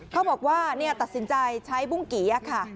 เขาบอกว่าตัดสินใจใช้บุ้งกี่ค่ะ